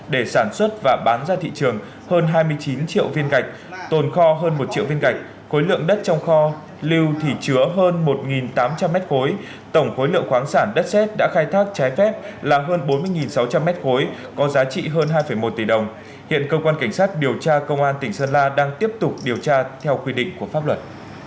để sản xuất và bán ra thị trường hơn hai mươi chín triệu viên gạch tồn kho hơn một triệu viên gạch khối lượng đất trong kho lưu thì chứa hơn một tám trăm linh mét khối tổng khối lượng khoáng sản đất xét đã khai thác trái phép là hơn bốn mươi sáu trăm linh mét khối có giá trị hơn hai một tỷ đồng hiện cơ quan cảnh sát điều tra công an tỉnh sơn la đang tiếp tục điều tra theo quy định của pháp luật